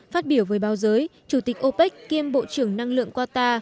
phát biểu với báo giới chủ tịch opec kiêm bộ trưởng năng lượng qatar